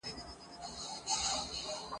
د پوهي او عملي دندو په کار کي